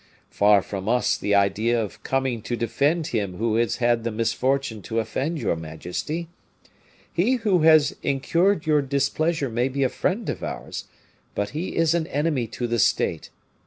Far from us the idea of coming to defend him who has had the misfortune to offend your majesty. He who has incurred your displeasure may be a friend of ours, but he is an enemy to the state.